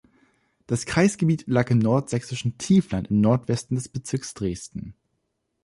Das Kreisgebiet lag im Nordsächsischen Tiefland im Nordwesten des Bezirks Dresden.